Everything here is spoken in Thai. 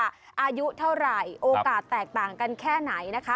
อายุเท่าไหร่โอกาสแตกต่างกันแค่ไหนนะคะ